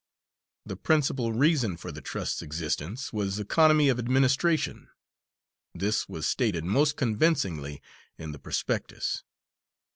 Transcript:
The principal reason for the trust's existence was economy of administration; this was stated, most convincingly, in the prospectus.